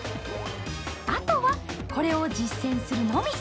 あとはこれを実践するのみ。